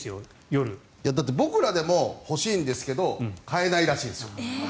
僕らでも欲しいんですけど買えないらしいんですよ。